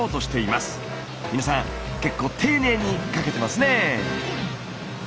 皆さん結構丁寧にかけてますね。